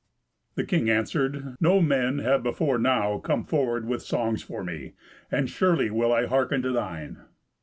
The king answered, "No men have before now come forward with songs for me, and surely will I hearken to thine."